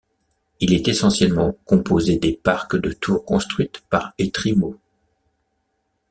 Il est essentiellement composé des parcs de tours construites par Etrimo.